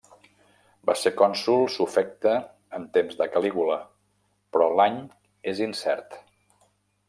Va ser cònsol sufecte en temps de Calígula, però l’any és incert.